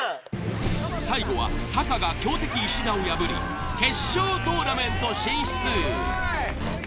最後はタカが強敵石田を破り決勝トーナメント進出。